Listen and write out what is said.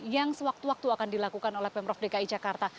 yang sewaktu waktu akan dilakukan oleh pemprov dki jakarta